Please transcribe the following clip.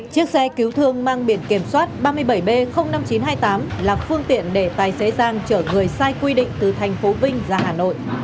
chiếc xe cứu thương mang biển kiểm soát ba mươi bảy b năm nghìn chín trăm hai mươi tám là phương tiện để tài xế giang chở người sai quy định từ thành phố vinh ra hà nội